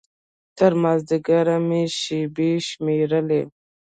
تر مازديګره مې شېبې شمېرلې.